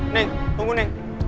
neng tunggu neng